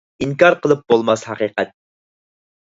ئىنكار قىلىپ بولماس ھەقىقەت!